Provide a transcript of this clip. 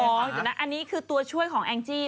อร่อยนะอันนี้คือตัวช่วยของแองจี